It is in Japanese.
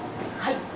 はい！